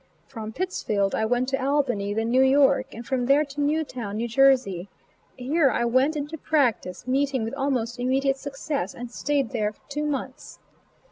From Pittsfield I went to Albany, then New York, and from there to Newtown N. J. Here I went into practice, meeting with almost immediate success, and staid there two months.